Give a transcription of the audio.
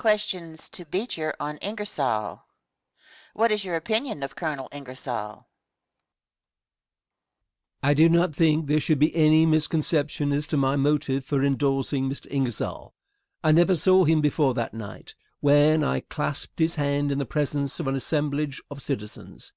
BEECHER ON INGERSOLL. Question. What is your opinion of Colonel Ingersoll? Answer. I do not think there should be any misconception as to my motive for indorsing Mr. Ingersoll. I never saw him before that night, when I clasped his hand in the presence of an assemblage of citizens.